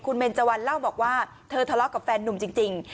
คุณเมนเจวันเล่าบอกว่าเธอทะเลาะกับแฟนนุ่มจริง